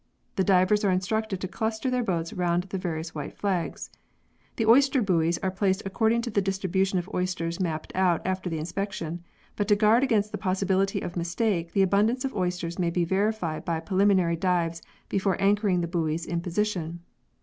The divers are instructed to cluster their boats round the various white flags. The oyster buoys are placed according to the distribution of oysters mapped out after the inspection, but to guard against the possibility of mistake the abundance of oysters may be verified by preliminary dives before anchoring the buoys in position.